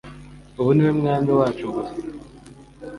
ubu ni we mwami wacu gusa